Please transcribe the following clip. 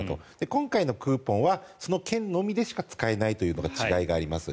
今回のクーポンはその県のみでしか使えないという違いがあります。